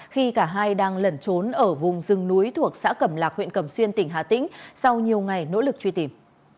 khi cả hai đang lẩn trốn ở vùng rừng núi thuộc xã cẩm lạc huyện cẩm xuyên tỉnh hà tĩnh sau nhiều ngày nỗ lực truy tìm